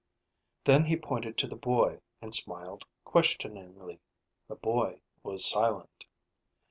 Then he pointed to the boy and smiled questioningly. The boy was silent.